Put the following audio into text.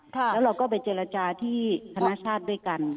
แล้วเราก็ไปเจรจาที่ธนชาติด้วยกัน